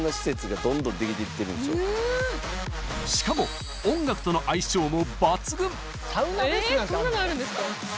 しかも音楽との相性も抜群！